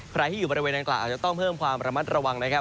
ใครที่อยู่บริเวณดังกล่าวอาจจะต้องเพิ่มความระมัดระวังนะครับ